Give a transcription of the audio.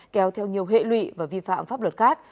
kéo theo nhiều hệ lụy và vi phạm pháp luật khác